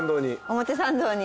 表参道に。